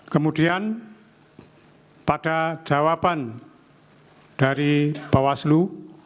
kemudian pada jawaban dari bawaslu